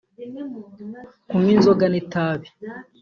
kunywa inzoga n’itabi